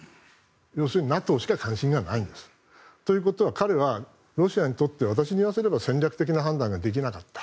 要するにＮＡＴＯしか関心がないんです。ということは彼はロシアにとって私に言わせれば戦略的な判断ができなかった。